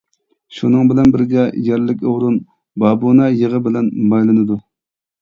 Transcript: شۇنىڭ بىلەن بىرگە يەرلىك ئورۇن بابۇنە يېغى بىلەن مايلىنىدۇ.